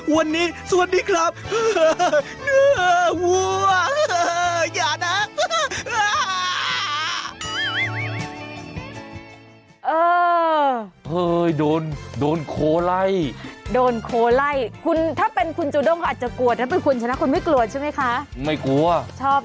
วันนี้สวัสดีครับ